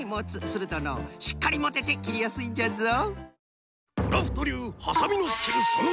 するとのうしっかりもてて切りやすいんじゃぞ。